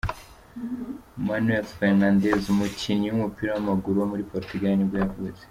Manuel Fernandes, umukinnyi w’umupira w’amaguru wo muri Portugal nibwo yavutse.